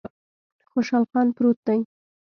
خوشحال خان پروت دی